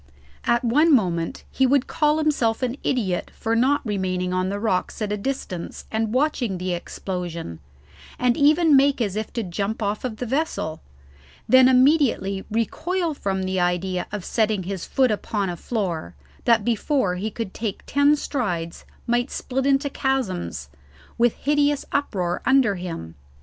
At one moment he would call himself an idiot for not remaining on the rocks at a distance and watching the explosion, and even make as if to jump off the vessel, then immediately recoil from the idea of setting his foot upon a floor that before he could take ten strides might split into chasms, with hideous uproar under him.